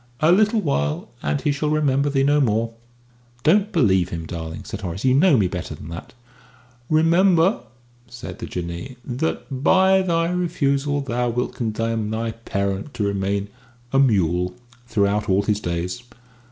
A little while, and he shall remember thee no more." "Don't believe him, darling," said Horace; "you know me better than that." "Remember," said the Jinnee, "that by thy refusal thou wilt condemn thy parent to remain a mule throughout all his days.